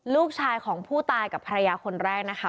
ลูกชายของผู้ตายกับภรรยาคนแรกนะคะ